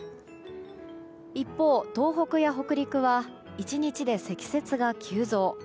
一方、東北や北陸は１日で積雪が急増。